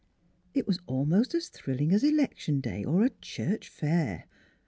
It was almost as thrilling as elec tion day or a church fair.